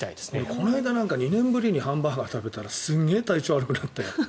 この間、２年ぶりにハンバーガーを食べたらすごい体調悪くなったよ。